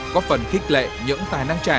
có phần khích lệ những tài năng